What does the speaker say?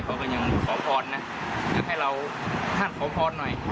เขาก็ยังขอพรนะอยากให้เราท่านขอพรหน่อย